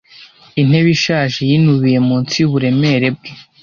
Intebe ishaje yinubiye munsi yuburemere bwe.